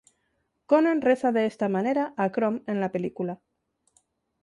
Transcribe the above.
Conan reza de esta manera a Crom en la película